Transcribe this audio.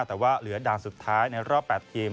แต่ว่าเหลือด่านสุดท้ายในรอบ๘ทีม